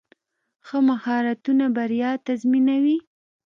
ښه مهارتونه بریا تضمینوي.